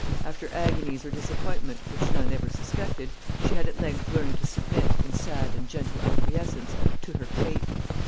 After agonies or disappointment, which none ever suspected, she had at length learned to submit, in sad and gentle acquiescence, to her fate.